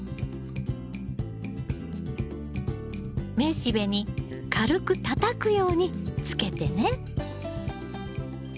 雌しべに軽くたたくようにつけてね。